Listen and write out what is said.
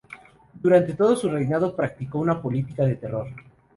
Durante todo su reinado practicó una política de terror.